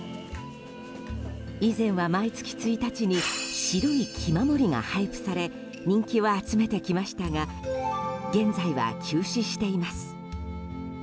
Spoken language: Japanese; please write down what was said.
以前は毎月１日に白い気守りが配布され人気を集めてきましたが現在は休止しています。